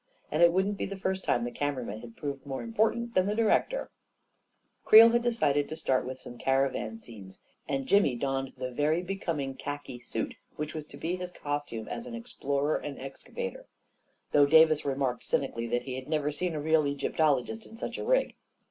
And it wouldn't be the first time the camera man had proved more important than the director ! Creel had decided to start with some caravan scenes, and Jimmy donned the very becoming khaki A KING IN BABYLON 149 suit which was to be his costume as an explorer and excavator; though Davis remarked cynically that he had never seen a real Egyptologist in such a rig.